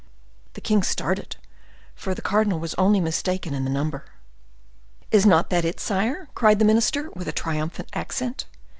'" The king started, for the cardinal was only mistaken in the number. "Is not that it, sire?" cried the minister, with a triumphant accent.